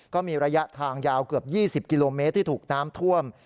ก็มีระยะทางยาวเกือบ๒๐กิโลเมตรที่ถูกน้ำท่วม